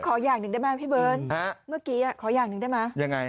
ก็ขออย่างหนึ่งได้มั้ยพี่เบิร์ดฮะเมื่อกี้อ่ะขออย่างหนึ่งได้มั้ยยังไง